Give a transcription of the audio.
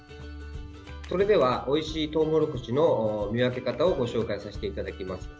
それでは、おいしいトウモロコシの見分け方をご紹介させていただきます。